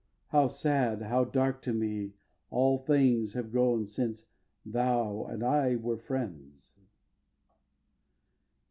How sad, how dark to me All things have grown since thou and I were friends!